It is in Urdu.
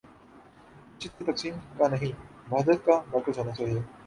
مسجد کو تقسیم کا نہیں، وحدت کا مرکز ہو نا چاہیے۔